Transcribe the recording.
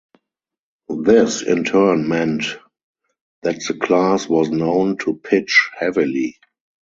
This in turn meant that the class was known to pitch heavily.